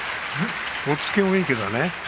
押っつけもいいけどね。